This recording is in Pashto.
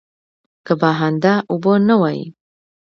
که بهانده اوبه نه وای.